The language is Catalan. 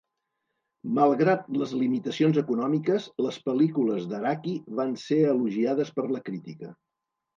Malgrat les limitacions econòmiques, les pel·lícules d'Araki van ser elogiades per la crítica.